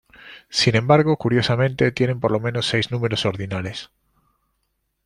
Sin embargo, curiosamente, tienen por lo menos seis números ordinales.